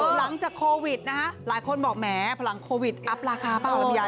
หลังจากโควิดนะฮะหลายคนบอกแหมพลังโควิดอัพราคาเปล่าลำยาย